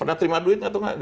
pernah terima duit atau nggak